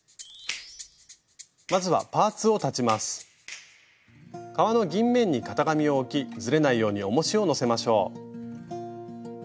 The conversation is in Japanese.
まずは革の銀面に型紙を置きずれないようにおもしをのせましょう。